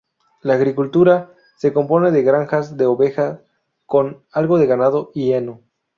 La Agricultura se compone de granjas de ovejas con algo de ganado y heno.